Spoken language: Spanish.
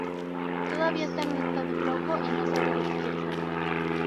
Todavía esta en un estado flojo y no sabe lo que quiere ser.